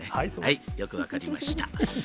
よく分かりました。